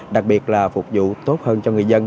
đặc biệt là phục vụ tốt hơn cho người dân